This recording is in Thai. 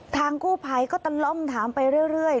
ทางกู้ภัยก็ตะล่อมถามไปเรื่อย